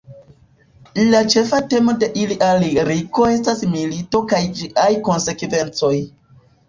La ĉefa temo de ilia liriko estas milito kaj ĝiaj konsekvencoj.